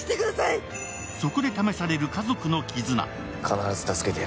そこで試される家族の絆。